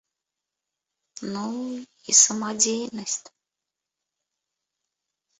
Ну, і сама дзейнасць.